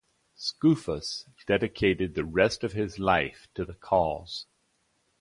Skoufas dedicated the rest of his life to the cause.